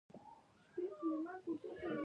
تاسې د لیک نښو په اړه معلومات لرئ؟